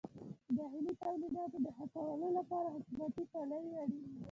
د داخلي تولیداتو د ښه کولو لپاره حکومتي پلوي اړینه ده.